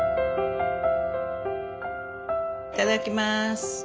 いただきます。